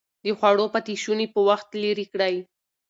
د خوړو پاتې شوني په وخت لرې کړئ.